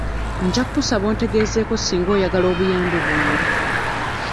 Nja kusaba ontegezeeko singa oyagala obuyambi bwange.